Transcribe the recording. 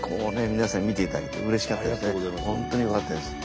皆さんに見ていただけてうれしかったですね。